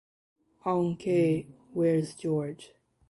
Aunque Where’s George?